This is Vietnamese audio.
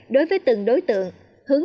đối với từng đối tượng